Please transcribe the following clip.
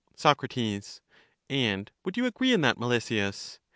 Soc, And would you agree in that, Melesias?